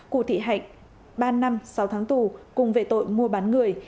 cụt thị hạnh ba năm sau tháng tù cùng về tội mua bán người